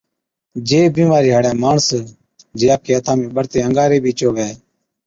جي بِيمارِي هاڙَي ماڻس جي آپڪي هٿا ۾ ٻڙتي انڱاري بِي چووَي